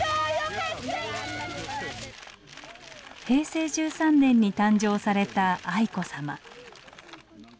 平成１３年に誕生された愛子さま。